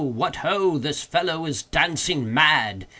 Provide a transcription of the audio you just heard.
what ho! this fellow is dancing mad!